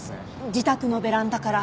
自宅のベランダから。